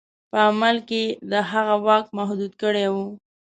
په عمل کې یې د هغه واک محدود کړی وو.